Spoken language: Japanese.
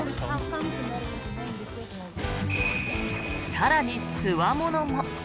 更に、つわものも。